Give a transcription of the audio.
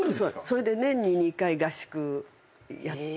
それで年に２回合宿やって。